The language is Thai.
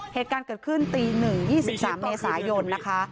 เหตุการณ์เกิดขึ้นตีหนึ่งยี่สิบสามในสายนนะคะ